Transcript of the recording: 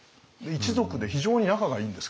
一族で非常に仲がいいんです。